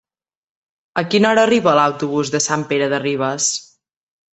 A quina hora arriba l'autobús de Sant Pere de Ribes?